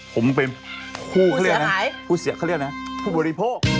ผมเป็นผู้เสียข้าเรียกนะ